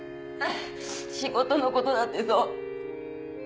仕事のことだってそう。